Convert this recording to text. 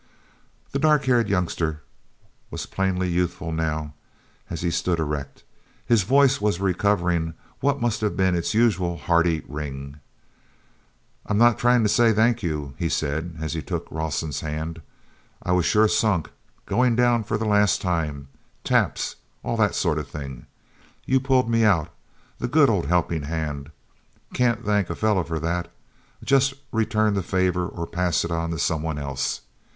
The dark haired youngster was plainly youthful now, as he stood erect. His voice was recovering what must have been its usual hearty ring. "I'm not trying to say 'thank you,'" he said, as he took Rawson's hand. "I was sure sunk—going down for the last time—taps—all that sort of thing! You pulled me out—the good old helping hand. Can't thank a fellow for that—just return the favor or pass it on to someone else.